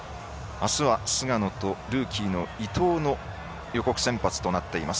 あすは菅野とルーキーの伊藤の予告先発となっています。